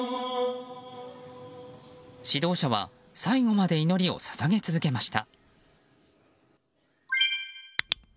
指導者は最後まで祈りを捧げ続けました。